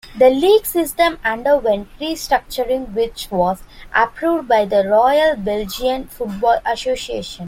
The league system underwent restructuring which was approved by the Royal Belgian Football Association.